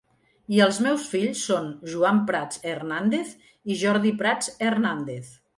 I els meus fill són Joan Prats Hernández i Jordi Prats Hernández.